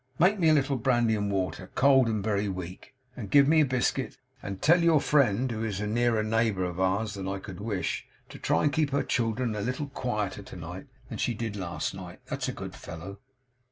Make me a little brandy and water cold and very weak and give me a biscuit, and tell your friend, who is a nearer neighbour of ours than I could wish, to try and keep her children a little quieter to night than she did last night; that's a good fellow.